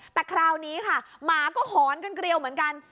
แต่คราวนี้ค่ะหมาก็หอนกันเกลียวเหมือนกัน